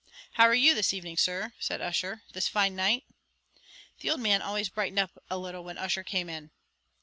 "How are you this evening, Sir?" said Ussher, "this fine night." The old man always brightened up a little when Ussher came in.